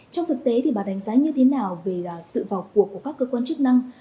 trong thực tế thì bà đánh giá như thế nào về sự vào cuộc của các cơ quan chức năng